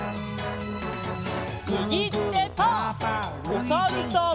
おさるさん。